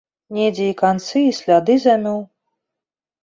Недзе і канцы і сляды замёў.